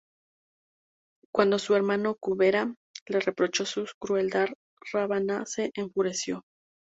Cuando su hermano Kúbera le reprochó su crueldad, Rávana se enfureció.